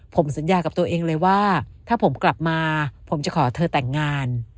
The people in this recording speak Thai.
ผมสัญญากับตัวเองเลยว่าถ้าผมกลับมาผมจะขอเธอแต่งงาน